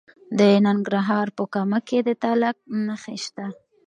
د ننګرهار په کامه کې د تالک نښې شته.